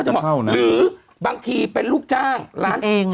หรือบางทีเป็นลูกจ้าง